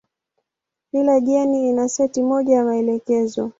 Kila jeni ina seti moja ya maelekezo.